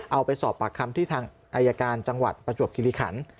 เอาไปสอบปากคำที่ทางอายการจังหวัดประจวบคิริขัน